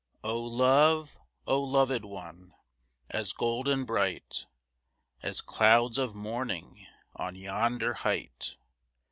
Oh love! oh loved one! As golden bright, As clouds of morning On yonder height!